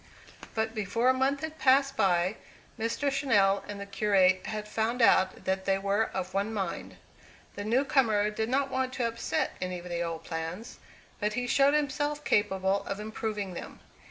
But before a month had passed by, Mr. Channell and the curate had found out that they were of one mind. The new comer did not want to upset any of the old plans, but he showed himself capable of improving them.